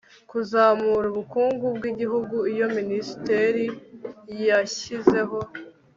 kuzamura ubukungu bw igihugu iyo minisiteri yashyizeho